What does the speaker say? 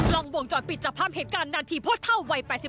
ลองวงจรปิดจับภาพเหตุการณ์นาทีพ่อเท่าวัย๘๒